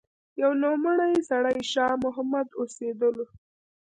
يو نوموړی سړی شاه محمد اوسېدلو